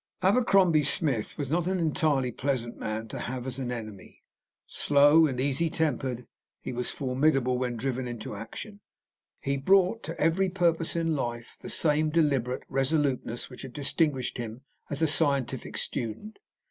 Abercrombie Smith was not an entirely pleasant man to have as an enemy. Slow and easytempered, he was formidable when driven to action. He brought to every purpose in life the same deliberate resoluteness which had distinguished him as a scientific student.